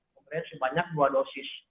pemberian sebanyak dua dosis